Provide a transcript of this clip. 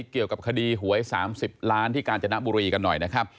เกี่ยวกับคดีหวย๓๐ล้านที่กาญจนบุรีกันหน่อยนะครับ